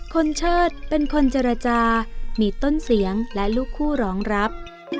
เชิดเป็นคนเจรจามีต้นเสียงและลูกคู่รองรับ